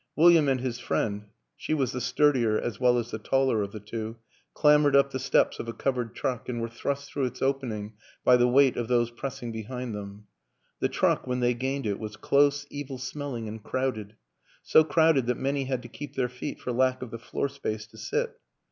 William and his friend she was the sturdier as well as the taller of the two clambered up the steps of a covered truck and were thrust through its opening by the weight of those pressing behind them. The truck, when they gained it, was close, evil smelling and crowded ; so crowded that many had to keep their feet for lack of the floor space to sit.